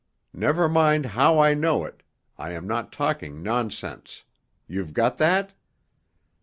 Never mind how I know it—I am not talking nonsense. You've got that?"